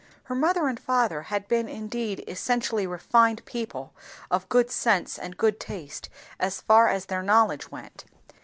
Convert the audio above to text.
Her mother and father had been indeed essentially refined people, of good sense and good taste as far as their knowledge went.